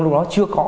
lúc đó chưa có